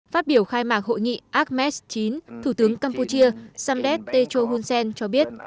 phát biểu khai mạc hội nghị ames chín thủ tướng campuchia samdek tektcho hunsen cho biết